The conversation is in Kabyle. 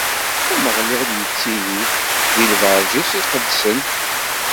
Ameɣlal ittili di lberǧ-is iqedsen.